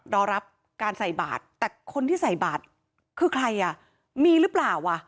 รอรับการใส่บาทแต่คนที่ใส่บาทคือใครอ่ะมีหรือเปล่าอ่ะ